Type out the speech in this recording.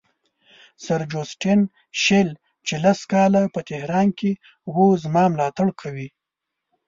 سر جوسټین شیل چې لس کاله په تهران کې وو زما ملاتړ کوي.